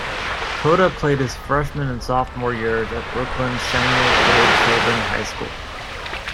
Cota played his freshman and sophomore years at Brooklyn's Samuel J. Tilden High School.